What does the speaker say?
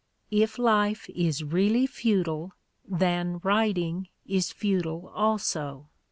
If life is really futile, then writing is futile also.